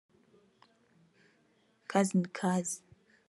Kazi ni Kazi